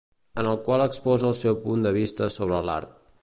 En el qual exposa el seu punt de vista sobre l'art.